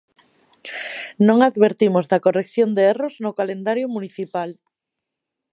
Non advertimos da corrección de erros no calendario municipal.